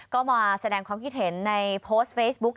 ก็มาแสดงความคิดเห็นในโพสต์เฟซบุ๊ก